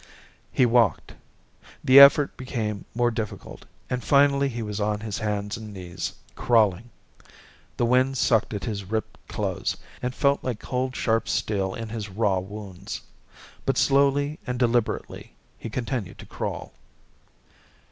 He walked. The effort became more difficult and finally he was on his hands and knees, crawling. The wind sucked at his ripped clothes, and felt like cold sharp steel in his raw wounds. But slowly and deliberately he continued to crawl.